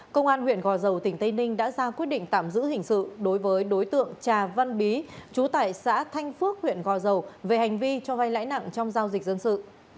công an huyện gò dầu tỉnh tây ninh đã ra quyết định tạm giữ hình sự đối với đối tượng trà văn bí chú tại xã thanh phước huyện gò dầu về hành vi cho vay lãi nặng trong giao dịch dân sự